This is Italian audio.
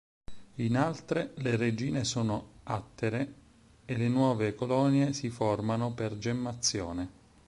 In altre, le regine sono attere e le nuove colonie si formano per gemmazione.